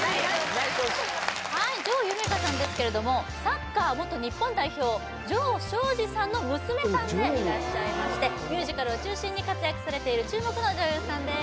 ナイスはい城夢叶さんですけれどもサッカー元日本代表城彰二さんの娘さんでいらっしゃいましてミュージカルを中心に活躍されている注目の女優さんです